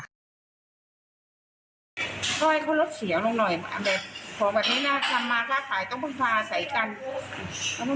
ใส่กันไปเรื่องร้านที่